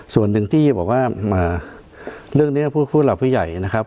ส่วนหนึ่งที่บอกว่ามาเรื่องในพูดใหญ่นะครับ